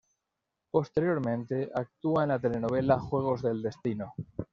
Posteriormente actúa en la telenovela "Juegos del destino".